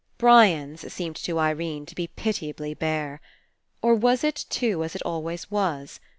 Brian's seemed to Irene to be pitiably bare. Or was it too as it always was?